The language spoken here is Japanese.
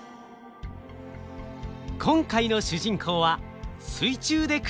今回の主人公は水中で暮らす生き物魚。